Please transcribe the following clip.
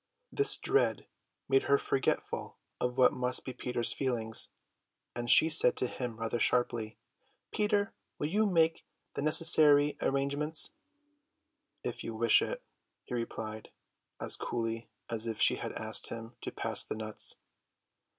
This dread made her forgetful of what must be Peter's feelings, and she said to him rather sharply, "Peter, will you make the necessary arrangements?" "If you wish it," he replied, as coolly as if she had asked him to pass the nuts.